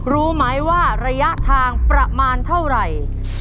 รู้ไหมว่าระยะทางประมาณเท่าไหร่